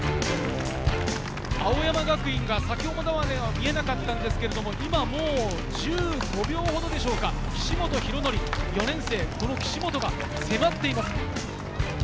青山学院が先ほどまでは見えなかったんですけれども、今もう、１５秒ほどでしょうか、岸本大紀、４年生、この岸本が迫っています。